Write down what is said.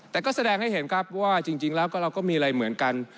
แต่ก็แสดงให้เห็นครับว่าจริงแล้วก็เราก็มีอะไรเหมือนกัน